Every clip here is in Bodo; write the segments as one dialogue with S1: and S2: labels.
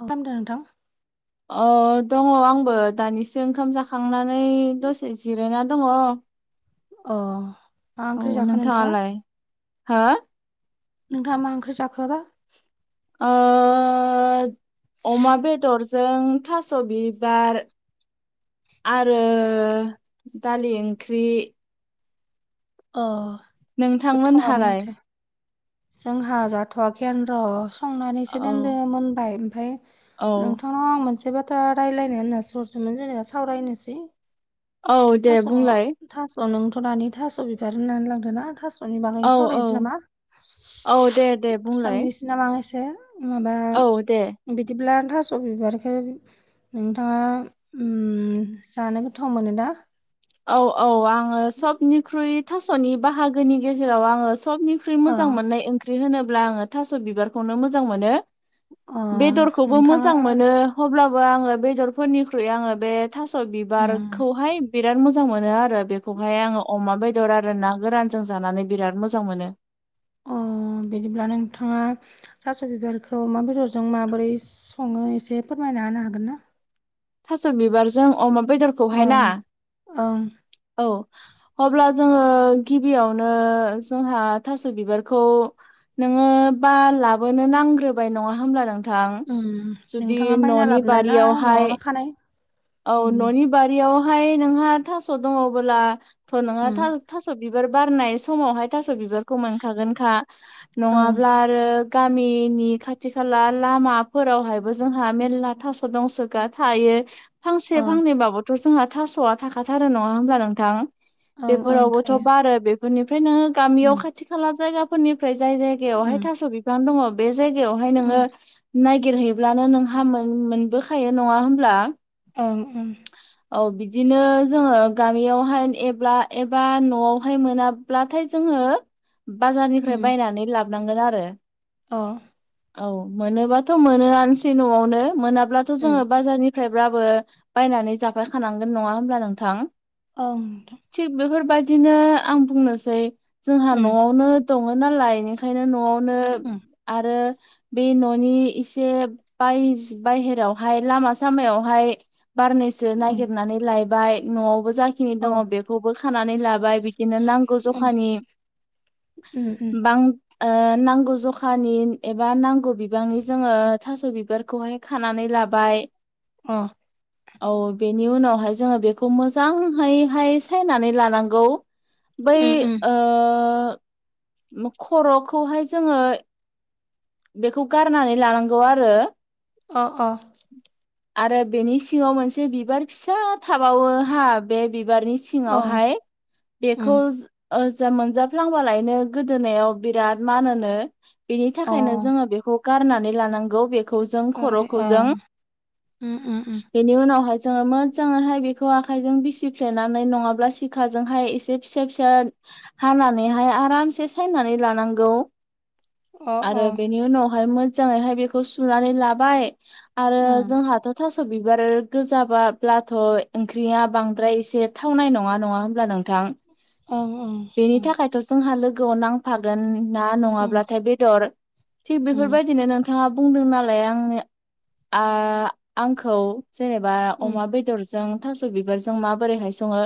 S1: अ। मा होनदों नोंथां?
S2: अ दङ आंबो दानिसो ओंखाम जाखांनानै दसे जिरायना दङ।
S1: अ। मा ओंख्रि जाखो नोंथाङा?
S2: नोंथाङालाय हो!
S1: नोंथाङा मा ओंख्रि जाखो बा?
S2: ओ अमा बेदरजों थास' बिबार आरो दालि ओंख्रि।
S1: अ। गोथावआनो
S2: नोंथांमोनहालाय?
S1: माथो जोंहा जाथवाखैआन र'। संनानैसो दोनदो
S2: औ
S1: मोनबाय। ओमफाय
S2: औ
S1: नोंथांनाव आं मोनसे बाथ दा रायलायनो होननासो हरदोमोन जेनेबा सावरायनोसै।
S2: औ दे
S1: थास'
S2: बुंलाय
S1: थास' नोंथ' दानि थास' बिबार होननानै लांदों ना थास'नि
S2: औ
S1: बागैनो
S2: औ
S1: सावरायनोसै नामा?
S2: औ दे दे बुंलाय।
S1: थि नामा आं एसे? माबा
S2: औ दे
S1: बिदिब्ला थास' बिबारखो नोंथाङा उम जानो गोथाव मोनो दा?
S2: औ औ आङो सबनिख्रुइ थास'नि बाहागोनि गेजेराव आङो सबनि ख्रुय
S1: अ
S2: मोजां मोननाय ओंख्रि होनोब्ला आङो थास' बिबारखौनो मोजां मोनो।
S1: अ
S2: बेदरखौबो
S1: नोंथाङा
S2: मोजां मोनो। अब्लाबो आङो बेदरफोरनिख्रुइ आङो बे थास'
S1: उम,
S2: बिबारखौहाय बिराद मोजां मोनो आरो बेखौहाय आङो अमा बेदर आरो ना गोरानजों जानानै बिराद मोजां मोनो।
S1: अ बिदिब्ला नोंथाङा थास' बिबारखौ अमा बेदरजों माबोरै सङो एसे फोरमायना होनो हागोन ना
S2: थास' बिबारजों अमा
S1: अ
S2: बेदरखौहाय ना
S1: ओं
S2: औ अब्ला जोङो गिबियावनो जोंहा थास' बिबारखौ नोङो बा लाबोनो नांग्रोबाय नङा होमब्ला नों थां
S1: उम
S2: जुदि
S1: नोंथाङा बायना
S2: न'नि
S1: लाबोनाय ना न'आवनो
S2: बारियावहाय
S1: खानाय?
S2: औ
S1: उम
S2: न'नि बारियावहाय नोंहा थास' दङबोला थ' नोंहा
S1: उम
S2: थास' बिबार बिबार बारनाय समावहाय थास बिबारखौ मोनखागोनखा
S1: ओं
S2: आरो गामिनि खाथि खाला लामाफोरावहायबो जोंहा मेरला थास' फोर दंसोगा थायो
S1: अ
S2: फांसे फांनैबाबोथ' जोंहा थास'आ थाखाथारो नङा होमब्ला नोंथां
S1: ओं ओं
S2: बेफोरावबोथ'
S1: थायो
S2: बारो बेफोरनिफ्राय नोङो गामियाव
S1: उम
S2: खाथि खाला जायगाफोरनिफ्राय जाय जाय गायावहाय
S1: उम
S2: थास' बिफां दङ बे जायगायावहाय
S1: उम
S2: नोङो नागिरहैब्लानो नोंहा मोन मोनबोखायो नङा होमब्ला
S1: ओं उ [unintelligible]
S2: औ बिदिनो जोङो गामियावहाय एब्ला एबा न'आवहाय मोना ब्लाथाय जोङो बाजारनिफ्राय
S1: उम
S2: बायनानै लाबोनांगोन आरो
S1: अ
S2: औ मोनोबाथ' मोनोआनोसै न'आवनो मोनाब्लाथ'
S1: उम
S2: जोङो बाजारनि ब्राबो बायनानै जाफायखानांगोन नङा होनब्ला नोंथां
S1: ओं नोंथां
S2: थिग बेफोरबायदिनो आं बुंनोसै जोंहा
S1: उम
S2: न'आवनो दङ नालाय बेनिखायनो न'आवनो
S1: उम
S2: आरो बे न'नि इसे बाय बायहेरावहाय लामा सामायाव हाय बारनैसो सो
S1: उम
S2: नागिरनानै लायबाय न'आवबो जाखिनि
S1: अ
S2: दङ बेखौबो खानानै लाबाय बि दिनो नांगौ
S1: उम
S2: जखानि
S1: उम उम
S2: बां ओ नांगौ जखानि एबा नांगौ बिबांनि जोङो थास' बिबारखौहाय खानानै लाबाय
S1: उम
S2: औ बेनि उनावहाय जोङो बेखौ मोजांहैहाय सायनानै लानांगौ बै
S1: उम उम
S2: ओ खर'खौहाय जोङो बेखौ गारनानै लानांगौ आरो
S1: अ अ
S2: आरो बेनि सिङाव मोनसे बिबार फिसा थाबावो हा बे बिबारनि सि
S1: ओं
S2: सिङावहाय
S1: उम
S2: बेखौ ओजा मोनजाफ्लांबालायनो गोदोनायाव बिराद मानोनो बेनि
S1: अ
S2: थाखायनो जोङो बेखौ गारनानै लानांगौ बेखौ जों खर'खौ
S1: अ
S2: जों
S1: उम उम उम
S2: बेनि उनावहाय जोङो मोजाङैहाय बेखौ आखाइजों बिसिफ्लेनानै नङाब्ला सिखाजोंहाय एसे फिसा फिसा हानानैहाय आरामसे सायनानै लानांगौ आरो बेनि उनावहाय मोजाङैहाय बेखौ सुनानै लाबाय आरो
S1: उम
S2: जोंहाथ' थास' बिबार गोजाबा ब्लाथ' ओंख्रिया बांद्राय एसे थावनाय नङा नङा होमब्ला नोंथां
S1: ओं ओं नंगौ
S2: थ' जोंहा लोगोआव नांफागोन ना
S1: उम
S2: नङाब्लाथाय बेदर थिग
S1: उम
S2: बेफोरबायदिनो नों थाङा बुंदों नालाय आंनो आंखौ जेनेबा
S1: उम
S2: अमा बे दरजों थास' बिबारजों माबोरैहाय सङो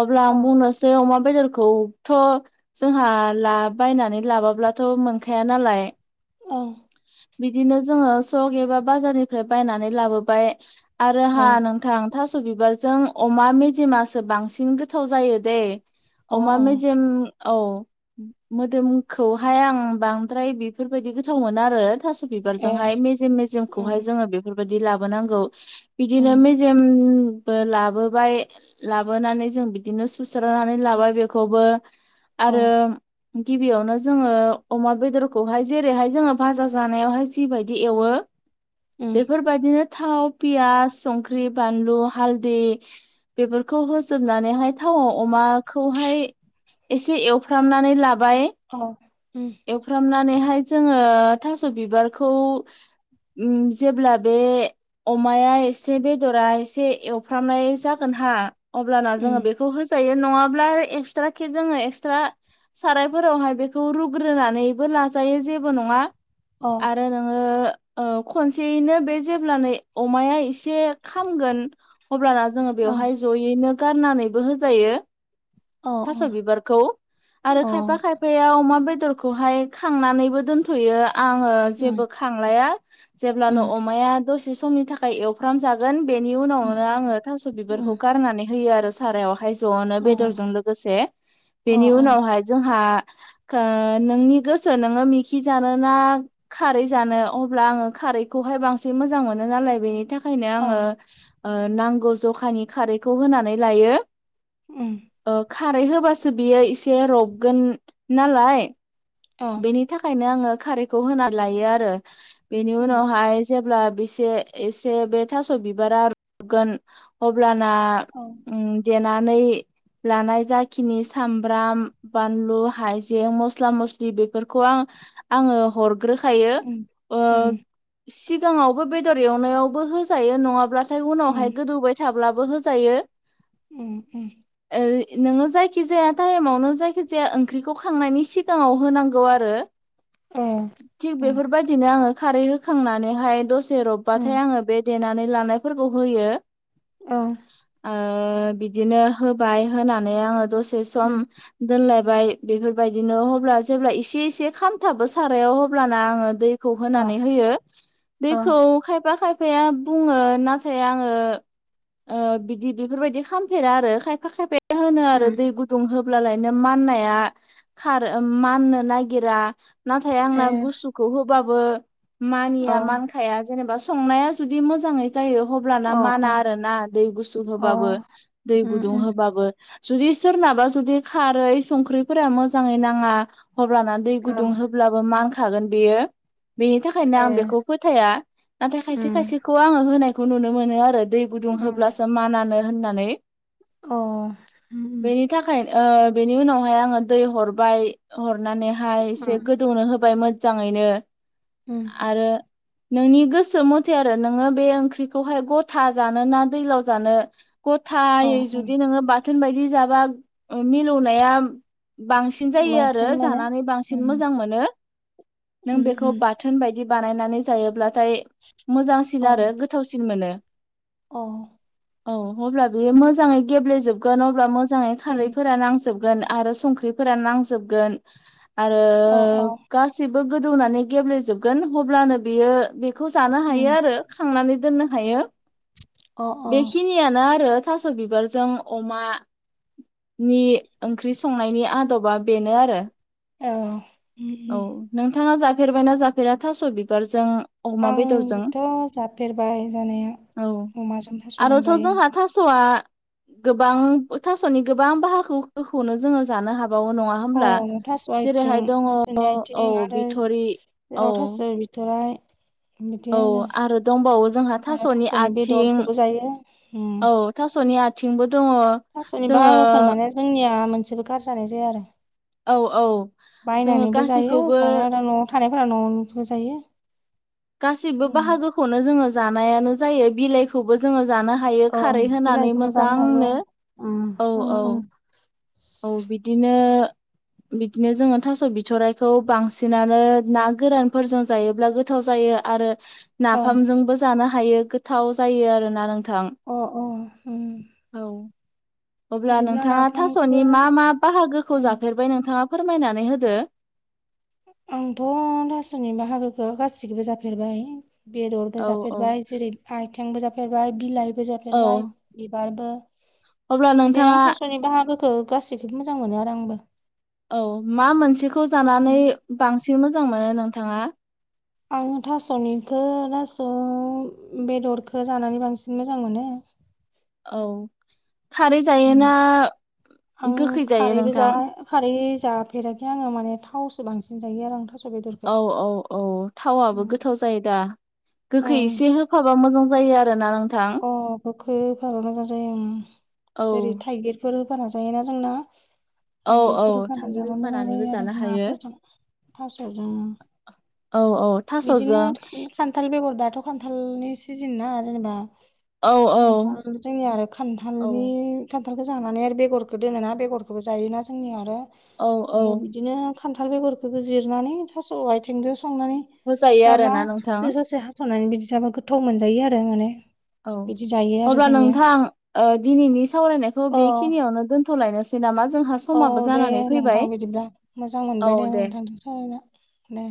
S2: अब्ला आं
S1: ओं
S2: बुंनो बे अमा बेदरखौथ' जोंहा ला बायनानै लाबोब्लाथ' मोनखाया नालाय।
S1: ओं।
S2: बिदिनो जोङो सक एबा बाजारनिफ्राय बायनानै लाबोबाय। आरो हहा
S1: ओं
S2: नोंथां थास' बिबारजों अमा मडिमासो बांसिन गोथाव जायो दे।
S1: अ
S2: अमा मेजेम औ मोदोमखौहाय आं बांद्राय बेफोरबायदि गोथावमोना आरो। थ'
S1: ए
S2: बिबारजोंहाय मेजेम मेजेमखौहाय
S1: उम
S2: जोङो बेफोरबायदि लाबोनांगौ बिदिनो।
S1: उम
S2: जोंबो लाबोबाय। लाबोनानै जों बिदिनो सुस्रानानै लाबाय बेखौबो
S1: अ
S2: आरो। गिबियावनो जोङो अमा बेदरखौहाय जेरैहाय जोङो भाजा जानायावहाय जिबायदि एवो।
S1: उम
S2: बेफोरबायदिनो थाव पियास संख्रि बानलु हालदै बेफोरखौ होजोबनानैहाय थावआव अमाखौहाय। एसे एवफ्रामनानै लाबाय।
S1: औ।
S2: एवफ्रामनानैहाय जोङो थास' बिबारखौ। जेब्ला बे अमाया एसे बेदरा एसे एवफ्रामनाय जागोनहा अब्लाना जोङो
S1: उम
S2: बेखौ होजायो नङाब्ला आरो एक्सट्रा केेक जोङो एक्सट्रा सारायफोरावहाय बेखौ रुग्रोनानैबो लाजायो जेबो नङा।
S1: अ ओं
S2: आरो नोङो खनसेयैनो बे जेब्लानो अमाया एसे खामगोन अब्लाना जोङो
S1: अ
S2: बेवहाय
S1: अ
S2: जयैनो गारनानैबो होजायो। थास'
S1: अ
S2: बिबारखौ
S1: उम
S2: आरो खायफा खाय फाया अमा बेदरखौहाय खांनानैबो दोनथ'यो आङो जेबो खांलाया। जेब्लानो
S1: उम
S2: अमाया दसे समनि थाखाय एव प्रग्राम जागोन बेनि उनावनो
S1: उम
S2: आङो थास' बिबारखौ
S1: उम
S2: गारनानै होयो आरो सारायाव। हायज'नो
S1: अ
S2: बेदरजों लोगोसे
S1: अ
S2: बेनि उनावहाय जोंहा खा नोंनि गोसो नोङो मिखि जानो ना खारै जानो अब्ला आङो खारैखौहाय बांसिन मोजां मोनो नालाय बेनि थाखायनो
S1: अ
S2: आङो नांगौ जखानि खारैखौ होनानै लायो।
S1: उम।
S2: ओ खारै होबासो बियो एसे रबगोन नालाय
S1: अ
S2: बेनि थाखायनो आङो खारैखौ होनानै लायो आरो बेनि
S1: उम उम
S2: उनावहाय जेब्ला बेसे एसे बे थास' बिबारा रुगोन अब्लाना
S1: औ।
S2: देनानै लानाय जाखिनि सामब्राम बानलु हाइजें मस्ला मस्लि जि बेफोरखौ आं आङो हरग्रोखायो
S1: उम
S2: ओ।
S1: उम
S2: सिगाङावबो बेदर एवनायावबो होजायो नङाब्लाथाय उनावहाय
S1: उम
S2: गोदौबाय फिसाब्लाबो होजायो।
S1: उम उम।
S2: नोङो जायखिजाया टाइमावनो जायखिजाया ओंख्रिखौ खांनायनि सिगाङाव होनांगौ आरो
S1: अ
S2: थिग
S1: उम
S2: बेफोरबादि दिनो आङो खारै होखांनानैहाय दसे
S1: उम
S2: रबबाथाय आङो बे देनानै लानायफोरखौ होयो।
S1: औ।
S2: ओ बिदिनो होबाय होनानै आङो दसे सम
S1: उम
S2: दोनलायबाय बेफोरबायदिनो अब्ला जेब्ला एसे एसे खामथाबो सारायाव हब्ला आङो दै खौ
S1: अ
S2: होनानै होयो
S1: अ
S2: दैखौ खायफा खायफाया बुङो नाथाय आङो ओ बिदि बेफोरबायदि खालामामफेरा आरो खायफा खायफा होनो आरो
S1: उम
S2: दै गुदुं होब्लालायनो माननाया खारो। माननो नागिरा नाथाय
S1: ए
S2: आंना गुसुखौ होबाबो मानिया
S1: अ
S2: मानखाया जेनेबा संनाया जुदि मोजाङै जायो हब्लाना
S1: अ
S2: माना
S1: अ
S2: आरो ना दै गुसु
S1: अ
S2: होबाबो दै
S1: उम
S2: गुदुं
S1: उम
S2: होबाबो। जुदि सोरनाबा जुदि खारै संख्रिफोरा मोजाङै नाङा हब्लाना दै
S1: औ
S2: गुदुं होबाबो ब्लाबो मानखागोन बेयो बेनि थाखायनो
S1: ए
S2: आं बेखौ फोथाया नाथाय खायसे
S1: उम
S2: खायसे खौ आङो होनायखौ नुनो मोनो आरो दै गुदुं होब्लासो मानानो होननानै
S1: अम उम
S2: बेनि थाखाय बेनि उनावहाय आङो दै हरबाय हरनानैहाय
S1: उम
S2: एसे गो दौनो होबाय मोजाङैनो
S1: उम
S2: आरो नोंनि गोसो मथे आरो नोङो बे ओंख्रिखौहाय गथा जानो ना दैलाव जानो।
S1: अ
S2: गथायै
S1: अ
S2: जुदि नोङो बाथोन बायदि जाबा मिलौनाया बांसिन सिन जायो आरो
S1: बांसिन मोनो
S2: जानानै बांसिन
S1: उम
S2: मोजां मोनो। नों
S1: उम
S2: बेखौ
S1: उम
S2: बाथोन बायदि बानायनानै जायोब्लाथाय मोजांसिन आरो गोथावसिन मोनो।
S1: औ।
S2: औ अब्ला बेयो मोजाङै गेब्लेेजोब गोन अब्ला मोजाङै
S1: उम
S2: खारैफोरा नांजोबगोन आरो संख्रिफोरा नांजोबगोन। आरो
S1: अ अ
S2: गासैबो गोदौनानै गेब्लेजोबगोन अब्लानो बियो खौ जानो हायो
S1: उम
S2: आरोनानै दनो हायो
S1: अ औ
S2: बेखिनि यानो आरो थास' बिबारजों अमा नि ओंख्रि संनायनि आदबा बेनो आरो
S1: औ।
S2: औ नोंथांङा जाफेरबायना जाफेरा थास' बिबारजों अमा बेदरजों
S1: आंथ' जाफेरबाय जानाया
S2: औ
S1: अमाजों थास'जों
S2: आरोथ'
S1: जायो।
S2: जोंहा थास'आ गोबां थास'नि गोबां बाहागोखौनो जोंङो जानो हाबावो नंङा।
S1: अ थास' आइथिं जनि
S2: औ
S1: आथिं आरो
S2: बिथरि औ
S1: जेराव थास' बिथ'राइ बिदि
S2: औ
S1: आरो
S2: दंबावो जोंहा
S1: आरो थास'नि
S2: आथिं
S1: बेदरखौबो जायो।
S2: औ थास'नि आथिंबो दंङो।
S1: थास'नि बाहागोखौ माने जोंनिया मोनसेबो गारजानाय जाया आरो
S2: औ औ जोङो
S1: बायनानैबो जायो
S2: गासैखौबो
S1: जा आरो न'आव थानायफोरा न'निबो जायो।
S2: गासैबो
S1: उम
S2: बाहागोखौनो जोंङो जानायानो जायो बिलाइखौबो जोंङो जानो हायो। हायो
S1: ओं
S2: खारै होनानै
S1: बिलाइखौबो जानो हायो
S2: मोजांनो औ औ। औ बिदिनो बिदिनो जोंङो थास' बिथ'राइखौ बांसिनानो नागो फोरजों जायोब्ला गोथाव जायो आरो
S1: औ
S2: नाफामजोंबो। जानो हायो गोथाव जायो आरोना नोंथां।
S1: अ अ ओम।
S2: अ अब्ला नोंथांङा थास'नि
S1: नाफामखौबो
S2: मा मा बाहागोखौ
S1: उम
S2: जाफेरखो बाय नोंथांङा फोरमायनानै होदो।
S1: आंथ' थास'नि बाहागोखौ गासिखौबो जाफेरबाय। बेदरबो
S2: औ औ।
S1: जाफेरबाय, जेरै आथिबो जाफेरबाय, बिलाइबो
S2: औ
S1: जाफेरबाय। बिबारबो
S2: अब्ला
S1: बिदिनो आं
S2: नोंथाङा
S1: थास'नि बाहागोखौ गासैखौबो मोजां मोनो आरो आंबो।
S2: औ मा मोनसेखौ जानानै
S1: उम
S2: बांसिन मोजां मोनो नोंथांङा
S1: आङो थास'निखौ थास' बेदरखौ जानानै बांसिन मोजां मोनो।
S2: औ खारै जायो ना
S1: आं
S2: गोखै जायो
S1: खारैबो जा
S2: नोंथां?
S1: खारै जाफेराखै आंङो माने थावसो बांसिन जायो आरो आं थास'खौ
S2: औ औ औ थावआबो गोथाव जायो दा गोखै
S1: ओं
S2: एसे हो फाबा मोजां जायो आरो ना नों।
S1: अ गोखो होफाबा मोजां जायो ओम
S2: औ
S1: जेरै थाइगिरफोर होबा नाजायोना जोंना
S2: औ औ
S1: थाइगिरफोर होननानै
S2: थाइगिर
S1: जाबा मोजां
S2: होफानानैबो
S1: जायो आरो
S2: जानो हायो
S1: नाफोरजों थास' जों
S2: औ औ थास'जों
S1: खान्थाल बेगर दाथ' खान्थालनि सिजोनना जेनेबा
S2: औ औ
S1: खान्थाल जोंनिया आरो
S2: औ
S1: खान्थालनि खान्थालखौ जानानै आरो बेगरखौ दोनोना बेगरखौबो जायोना जोंनियाव आरो
S2: औ औ
S1: ओमफ्राय बिदिनो खान्थाल बेगरखौबो जिरनानै थास' आथिंजों संनानै
S2: होजायो
S1: जाबा
S2: आरोना नोंथां
S1: ससे ससे हास'नानै बिदि जाबा गोथाव मोनजायो आरो माने
S2: औ
S1: बिदि जायो आरो
S2: अब्ला
S1: जोंनिया
S2: नोंथां ओ दिनैनि सावरायनायखौ
S1: औ
S2: बेखिनियावनो दोन्थ'लायनो सै नामा जोंहा
S1: औ
S2: समाबो
S1: दे
S2: जानानै
S1: नोंथां
S2: फैबाय
S1: बिदिब्ला मोजां मोनबाय दे नोंथांजों सावरायना दे